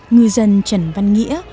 người dân trần văn nghĩa